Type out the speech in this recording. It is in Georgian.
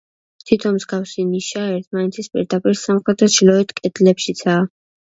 თითო მსგავსი ნიშა, ერთმანეთის პირდაპირ სამხრეთ და ჩრდილოეთ კედლებშიცაა.